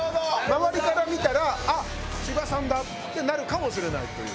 周りから見たら「あっ芝さんだ」ってなるかもしれないという。